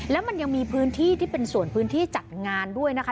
แล้วมันยังมีพื้นที่ที่เป็นส่วนพื้นที่จัดงานด้วยนะคะ